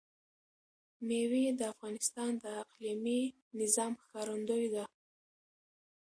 مېوې د افغانستان د اقلیمي نظام ښکارندوی ده.